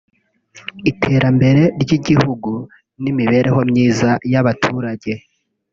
iterambere ry’igihugu n’imibereho myiza y’abaturage